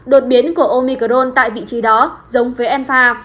đột biến của omicron tại vị trí đó giống với enfa